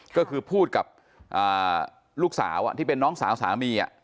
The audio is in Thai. ก็คือพูดกับลูกสาวที่เป็นน้องสาวสามี